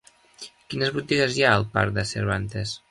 Quines botigues hi ha al parc de Cervantes?